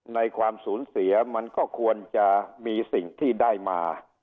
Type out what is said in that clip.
ความสูญเสียมันก็ควรจะมีสิ่งที่ได้มา